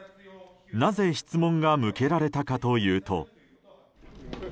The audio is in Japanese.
なぜ、質問が向けられたかというと。